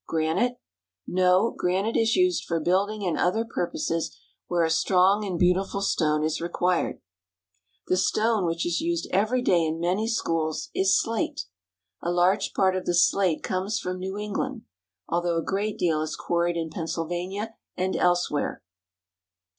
Granite? No; granite is used for building and other purposes where a strong and beautiful stone is required. The stone which is used every day in many schools is slate. A large part of the slate comes from New England, although a great deal is quarried in Pennsylvania and else where.